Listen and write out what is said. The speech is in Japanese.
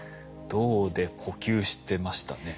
銅で呼吸してましたね。